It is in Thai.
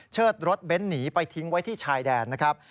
รถเบ้นหนีไปทิ้งไว้ที่ชายแดนนะครับ